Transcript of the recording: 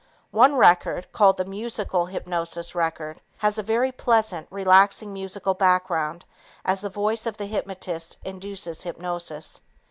One record, called the Musical Hypnotic Record, has a very pleasant, relaxing musical background as the voice of the hypnotist induces hypnosis.